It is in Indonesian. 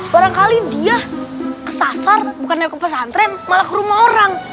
barangkali dia kesasar bukannya ke pesantren malah ke rumah orang